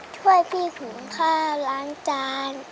ช่วยพี่ผูงค่ะล้างจาน